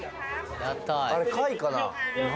あれ貝かな？